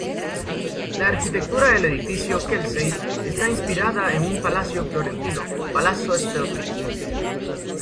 La arquitectura del edificio Kelsey está inspirada en un palacio florentino, Palazzo Strozzi.